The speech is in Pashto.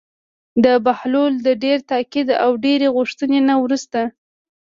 د بهلول د ډېر تاکید او ډېرې غوښتنې نه وروسته.